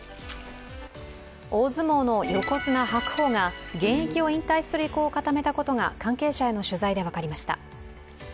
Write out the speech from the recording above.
大相撲の横綱・白鵬が現役を引退する意向を固めたことが関係者への取材で分かりました。